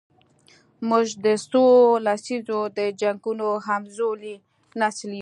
موږ د څو لسیزو د جنګونو همزولی نسل یو.